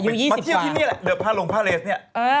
มาเที่ยวที่นี่แหละเดินผ้าลงผ้าเลสเนี่ย